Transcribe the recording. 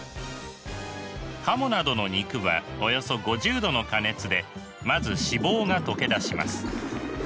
カモなどの肉はおよそ５０℃の加熱でまず脂肪が溶け出します。